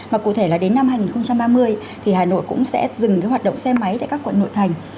và cụ thể là đến năm hai nghìn ba mươi thì hà nội cũng sẽ dừng cái hoạt động xe máy tại các quận nội thành